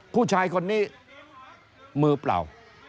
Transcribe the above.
ผู้ชายคนนี้มือเปล่า